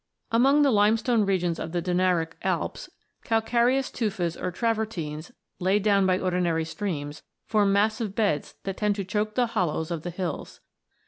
Among the limestone regions of the Dinaric Alps, calcareous tufas or travertines, laid down by ordinary streams, form massive beds that tend to choke the hollows of the hills.